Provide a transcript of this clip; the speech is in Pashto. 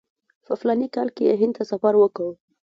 په فلاني کال کې یې هند ته سفر وکړ.